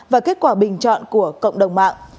và kết quả bình chọn của cộng đồng mạng